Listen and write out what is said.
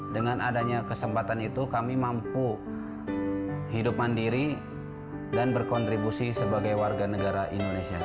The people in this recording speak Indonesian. dengan adanya kesempatan itu kami mampu hidup mandiri dan berkontribusi sebagai warga negara indonesia